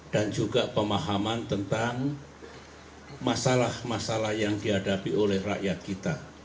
juga pemahaman tentang masalah masalah yang dihadapi oleh rakyat kita